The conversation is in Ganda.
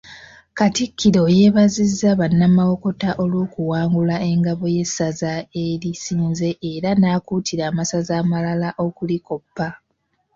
Katikkiro yeebazizza bannamawokota olw'okuwangula engabo y'essaza erisinze era n'akuutira amasaza amalala okulikoppa.